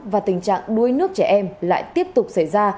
và tình trạng đuối nước trẻ em lại tiếp tục xảy ra